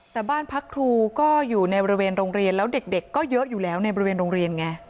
แต่บ้านพักครูก็อยู่ในบริเวณโรงเรียนแล้วเด็กก็เยอะอยู่แล้วในบริเวณโรงเรียนไง